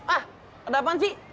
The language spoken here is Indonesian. ah ada apaan sih